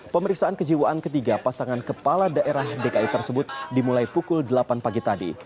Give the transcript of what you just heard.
pemeriksaan kejiwaan ketiga pasangan kepala daerah dki tersebut dimulai pukul delapan pagi tadi